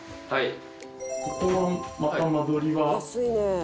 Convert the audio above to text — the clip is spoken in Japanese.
はい。